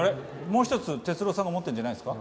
もう一つ哲郎さんが持ってるんじゃないんですか？